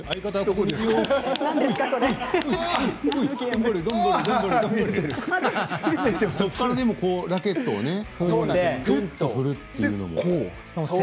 これでラケットをぐっと振るっていうのも。